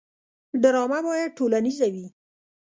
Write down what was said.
ډرامه باید ټولنیزه وي